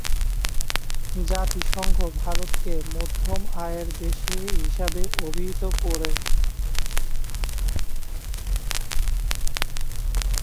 জাতিসংঘ ভারতকে মধ্যম আয়ের দেশ হিসেবে অভিহিত করে।